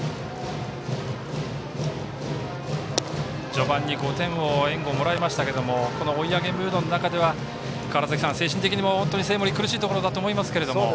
序盤に５点の援護をもらいましたがこの追い上げムードの中では精神的にも生盛は苦しいところだと思いますが。